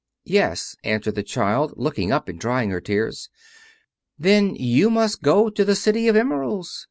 "Yes," answered the child, looking up and drying her tears. "Then you must go to the City of Emeralds.